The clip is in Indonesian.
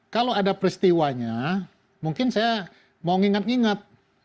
kalau ada peristiwanya mungkin saya mau nginget nginget